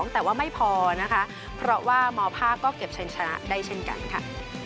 แต่ว่าไม่พอนะคะเพราะว่ามภาคก็เก็บชัยชนะได้เช่นกันค่ะ